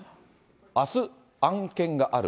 あす、案件がある。